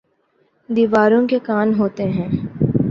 دیواروں کے کان ہوتے ہیں